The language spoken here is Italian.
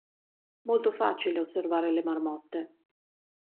Molto facile osservare le marmotte.